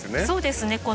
そうですね。